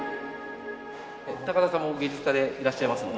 高田さんも芸術家でいらっしゃいますもんね。